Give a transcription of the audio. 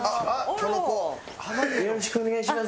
よろしくお願いします。